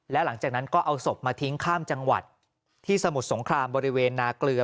แล้วหลังจากนั้นก็เอาศพมาทิ้งข้ามจังหวัดที่สมุทรสงครามบริเวณนาเกลือ